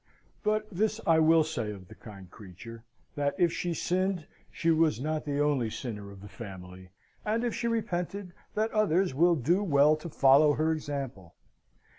But this I will say of the kind creature, that if she sinned, she was not the only sinner of the family, and if she repented, that others will do well to follow her example.